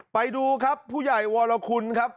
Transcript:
ไปดูครับผู้ใหญ่วรคุณครับ